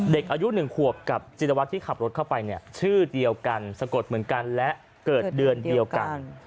เด็กอายุ๑ขวบกับจิรวัตรที่ขับรถเข้าไปเนี่ยชื่อเดียวกันสะกดเหมือนกันและเกิดเดือนเดียวกัน